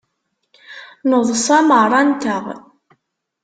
Neḍsa merra-nteɣ.